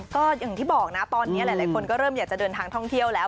ก็อย่างที่บอกนะตอนนี้หลายคนก็เริ่มอยากจะเดินทางท่องเที่ยวแล้ว